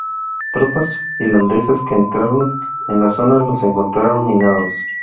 Tropas finlandesas que entraron en la zona los encontraron minados.